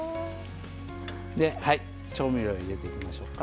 調味料を入れていきましょうか。